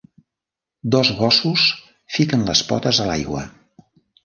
Dos gossos fiquen les potes a l'aigua